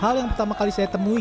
hal yang pertama kali saya temui